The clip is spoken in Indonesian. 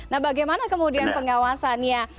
nah bagaimana kemudian pengawasannya